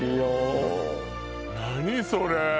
何それ？